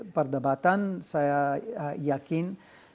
perdebatan saya yakin